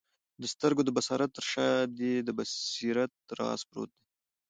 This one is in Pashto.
د سترګو د بصارت تر شاه دي د بصیرت راز پروت دی